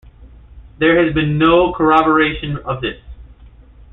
There has been no corroboration of this.